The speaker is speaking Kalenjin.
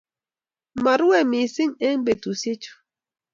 Marue missing' eng petusyechu.